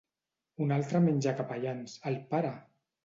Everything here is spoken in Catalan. Un altre menjacapellans, el pare!